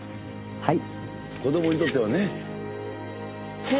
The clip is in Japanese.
はい。